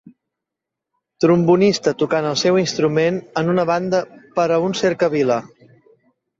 Trombonista tocant el seu instrument en una banda per a una cercavila.